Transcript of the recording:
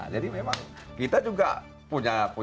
jadi memang kita juga punya ketuhanan yang mahal